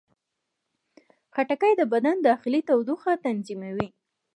خټکی د بدن داخلي تودوخه تنظیموي.